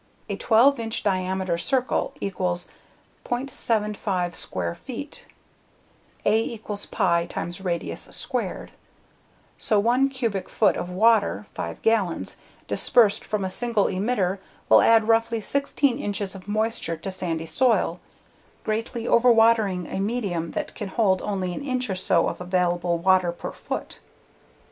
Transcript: A 12 inch diameter circle equals 0.75 square feet (A = Pi x Radius squared), so 1 cubic foot of water (5 gallons) dispersed from a single emitter will add roughly 16 inches of moisture to sandy soil, greatly overwatering a medium that can hold only an inch or so of available water per foot.